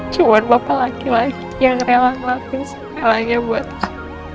cuma bapak laki laki yang rela ngelapis sekali lagi buat aku